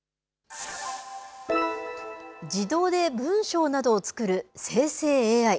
自動で文章などを作る生成ＡＩ。